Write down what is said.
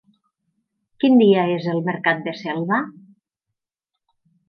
Quin dia és el mercat de Selva?